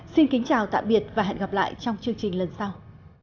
xin kính chào tạm biệt và hẹn gặp lại trong chương trình lần sau